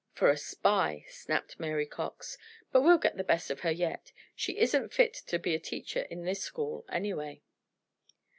"For a spy," snapped Mary Cox. "But we'll get the best of her yet. She isn't fit to be a teacher in this school, anyway."